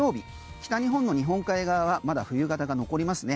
北日本の日本海側はまだ冬型が残りますね。